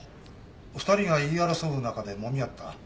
２人が言い争う中でもみ合った。